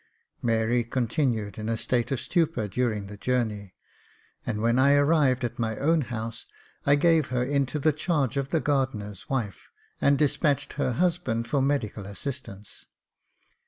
Mary continued in a state of stupor during the journey ; and when I arrived at my own house, I gave her into the charge of the gardener's wife, and despatched her husband for medical assistance.